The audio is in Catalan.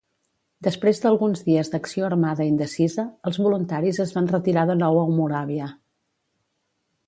Després d'alguns dies d'acció armada indecisa, els voluntaris es van retirar de nou au Moràvia.